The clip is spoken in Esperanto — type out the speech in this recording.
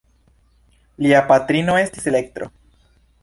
Lia patrino estis Elektro.